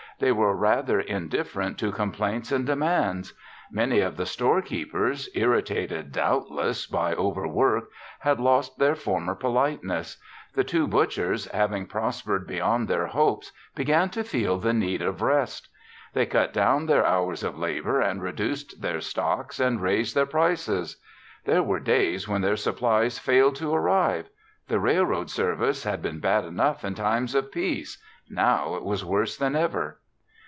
They were rather indifferent to complaints and demands. Many of the storekeepers, irritated, doubtless, by overwork, had lost their former politeness. The two butchers, having prospered beyond their hopes, began to feel the need of rest. They cut down their hours of labor and reduced their stocks and raised their prices. There were days when their supplies failed to arrive. The railroad service had been bad enough in times of peace. Now, it was worse than ever.